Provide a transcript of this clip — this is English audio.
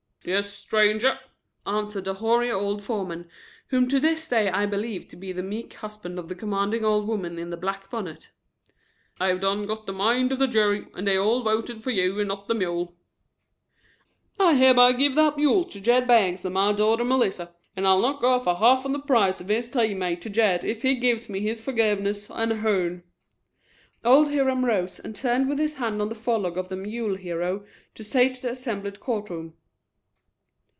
"Yes, stranger," answered the hoary old foreman, whom to this day I believe to be the meek husband of the commanding old woman in the black bonnet. "I have done got the mind of the jury and they all voted fer you and not the mule." "I hereby gives that mule to Jed Bangs and my daughter, Melissa, and I'll knock off a half on the price of his teammate to Jed if he gives me his fergiveness and hern," old Hiram rose and turned with his hand on the forelock of the mule hero to say to the assembled court room.